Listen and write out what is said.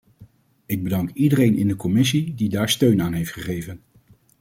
Ik bedank iedereen in de commissie die daar steun aan heeft gegeven.